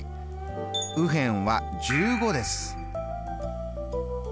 右辺は１５です。